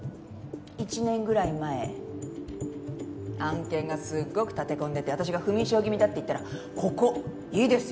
１年ぐらい前案件がすっごく立て込んでて私が不眠症気味だって言ったらここいいですよ。